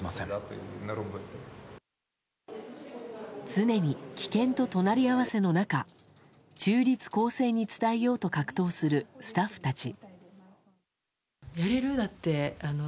常に危険と隣り合わせの中中立公正に伝えようと格闘するスタッフたち。